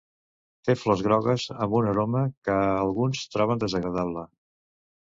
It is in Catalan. Té flors grogues amb una aroma que alguns troben desagradable.